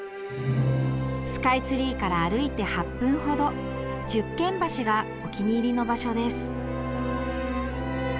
スカイツリーから歩いて８分ほど十間橋がお気に入りの場所です。